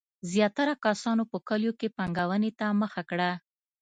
زیاتره کسانو په کلیو کې پانګونې ته مخه کړه.